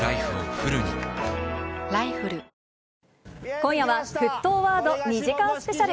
今夜は、沸騰ワード２時間スペシャル。